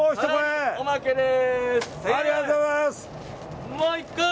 おまけです！